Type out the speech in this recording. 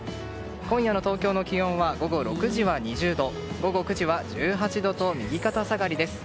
今夜の東京の気温は午後６時は２０度午後９時は１８度と右肩下がりです。